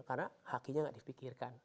karena hakinya gak dipikirkan